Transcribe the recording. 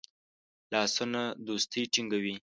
لاسونه دوستی ټینګوي